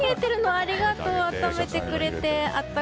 ありがとう、温めてくれて。